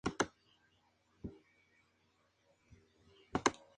Aunque puede estar esporádicamente fuera del agua.